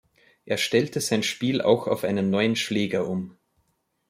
Er stellte sein Spiel auch auf einen neuen Schläger um.